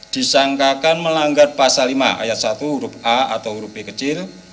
disangkakan melanggar pasal lima ayat satu huruf a atau huruf b kecil